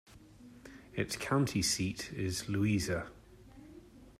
Its county seat is Louisa.